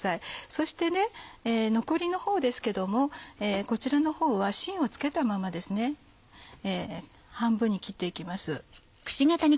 そして残りのほうですけどもこちらのほうはしんを付けたまま半分に切って行きます。